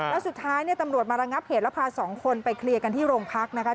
แล้วสุดท้ายเนี่ยตำรวจมาระงับเหตุแล้วพาสองคนไปเคลียร์กันที่โรงพักนะคะ